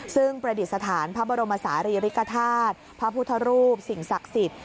ซึ่งประดิษฐานพระบรมศาลีริกฐาตุพระพุทธรูปสิ่งศักดิ์สิทธิ์